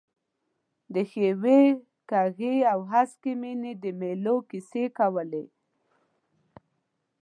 د ښیوې، کږې او هسکې مېنې د مېلو کیسې کولې.